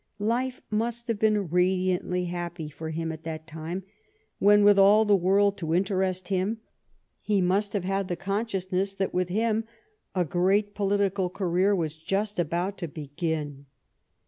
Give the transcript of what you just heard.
Life must have been radiantly happy for him at that time, when, with all the world to interest him, he must have had the conscious ness that with him a great political career was just about to begin.